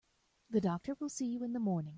The doctor will see you in the morning.